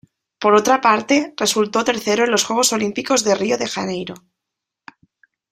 Por otra parte, resultó tercero en los Juegos Olímpicos de Río de Janeiro.